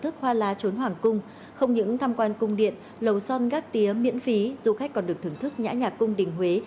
không những tham quan cung điện lầu son gác tía miễn phí du khách còn được thưởng thức nhã nhạc cung đình huế